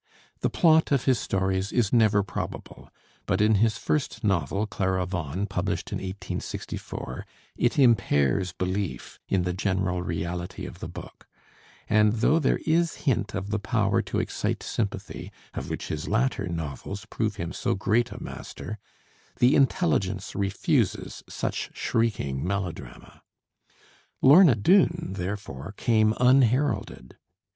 The plot of his stories is never probable, but in his first novel, 'Clara Vaughan,' published in 1864, it impairs belief in the general reality of the book; and though there is hint of the power to excite sympathy of which his latter novels prove him so great a master, the intelligence refuses such shrieking melodrama. 'Lorna Doone' therefore came unheralded.